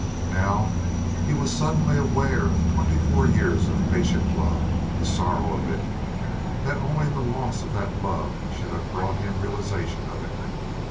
Now he was suddenly aware of twenty four years of patient love. The sorrow of it, that only the loss of that love should have brought him realization of it.